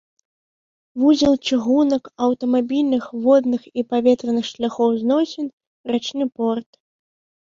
Вузел чыгунак, аўтамабільных, водных і паветраных шляхоў зносін, рачны порт.